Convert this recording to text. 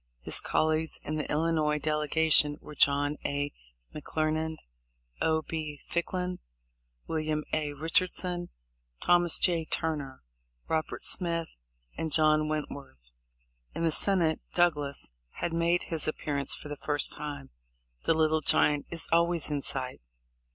His col leagues in the Illinois delegation were John A. McClernand, O. B. Ficklin, William A. Richardson, Thomas J. Turner, Robert Smith, and John Went worth. In the Senate Douglas had made his appearance for the first time. The Little Giant is always in sight